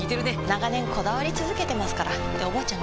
長年こだわり続けてますからっておばあちゃん